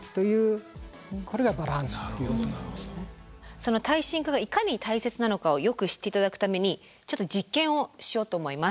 その耐震化がいかに大切なのかをよく知って頂くためにちょっと実験をしようと思います。